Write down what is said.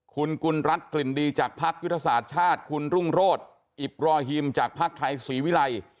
คุณกุลรัฐกลิ่นดีจากพักยุทธศาสตร์ชาติคุณรุ่งโรธอิบรอฮิมจากภักดิ์ไทยศรีวิรัย